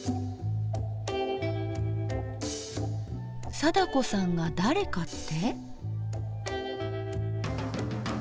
貞子さんが誰かって？